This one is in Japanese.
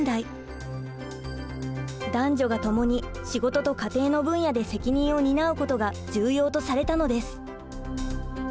男女がともに仕事と家庭の分野で責任を担うことが重要とされたのです。